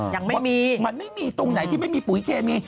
ยังไม่มีมันไม่มีตรงไหนที่ไม่มีปุ๋ยเคมี